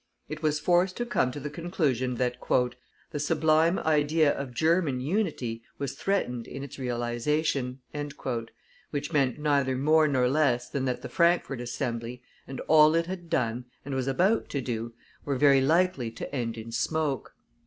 It was forced to come to the conclusion that "the sublime idea of Germany unity was threatened in its realization," which meant neither more nor less than that the Frankfort Assembly, and all it had done, and was about to do, were very likely to end in smoke.